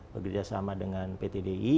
bekerjasama dengan ptdi